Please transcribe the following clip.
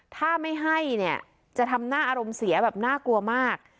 ถ้าไม่ให้เนี่ยจะทำหน้าอารมณ์เสียแบบน่ากลัวมาก